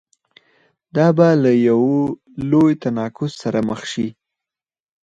دا به له یوه لوی تناقض سره مخ شي.